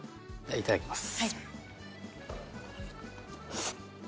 いただきます。